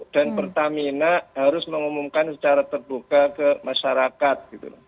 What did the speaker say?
dan pertamina harus mengumumkan secara terbuka ke masyarakat